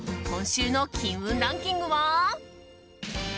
今週の金運ランキングは。